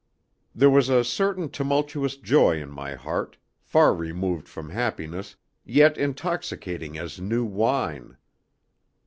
There was a certain tumultuous joy in my heart, far removed from happiness, yet intoxicating as new wine.